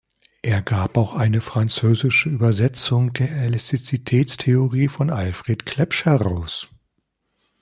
Er gab auch eine französische Übersetzung der Elastizitätstheorie von Alfred Clebsch heraus.